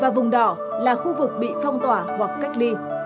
và vùng đỏ là khu vực bị phong tỏa hoặc cách ly